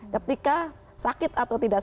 ketika sakit atau tidak